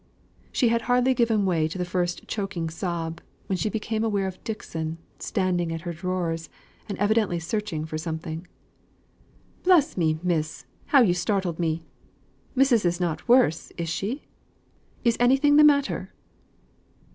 She had hardly given way to the first choking sob, when she became aware of Dixon standing at her drawers, and evidently searching for something. "Bless me, miss! How you startled me! Missus is not worse, is she? Is anything the matter?"